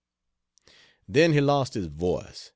Then he lost his voice.